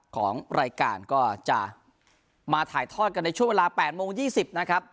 ของรายการก็จะมาถ่ายทอดกันในช่วงเวลา๘โมง๒๐นะครับ